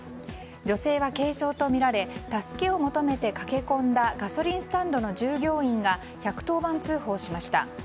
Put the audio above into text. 女性は軽傷とみられ助けを求めて駆け込んだガソリンスタンドの従業員が１１０番通報しました。